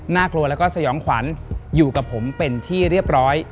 กลัวแล้วก็สยองขวัญอยู่กับผมเป็นที่เรียบร้อย